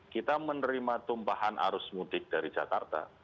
kita menerima tumpahan arus mudik dari jakarta